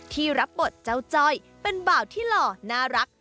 ที่รับบทเจ้าจ้อยเป็นบ่าวที่หล่อน่ารัก